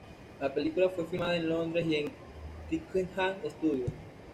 La película fue filmada en Londres y en Twickenham Studios.